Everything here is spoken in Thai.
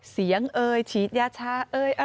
เสียงเอ้ยฉีดยาชาเอ้ย